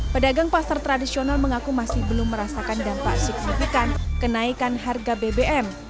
pedagang pasar tradisional mengaku masih belum merasakan dampak signifikan kenaikan harga bbm